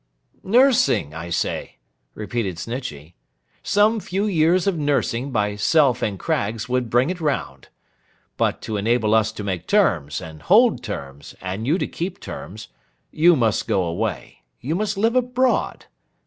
'Nursing, I say,' repeated Snitchey. 'Some few years of nursing by Self and Craggs would bring it round. But to enable us to make terms, and hold terms, and you to keep terms, you must go away; you must live abroad.